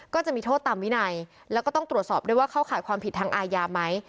ก็จะมีโทษตามวินัยแล้วก็ต้องตรวจสอบด้วยว่าเข้าข่ายความผิดทางอาญาไหม